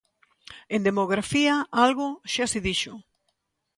En demografía algo xa se dixo.